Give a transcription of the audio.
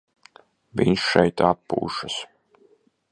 Viņš šeit atpūšas.